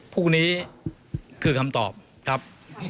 พวกนี้คือคำตอบครับ